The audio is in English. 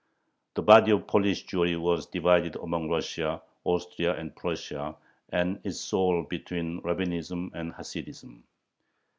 The body of Polish Jewry was divided among Russia, Austria, and Prussia, and its soul between Rabbinism and Hasidism.